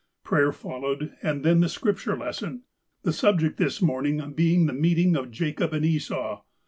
Prayer followed, and then the Scripture lesson ;— the subject this morning being the meeting of Jacob and Esau.